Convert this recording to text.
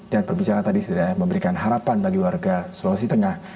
dan perbincangan tadi sudah memberikan harapan bagi warga sulawesi tengah